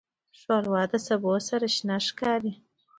ښوروا د سبو سره شنه ښکاري.